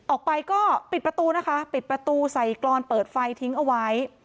ออกไปก็ปิดประตูนะคะปิดประตูใส่กรอนเปิดไฟทิ้งเอาไว้